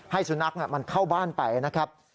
สุนัขมันเข้าบ้านไปนะครับ